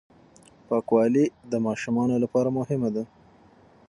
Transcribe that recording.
پاکوالی د ماشومانو لپاره مهم دی.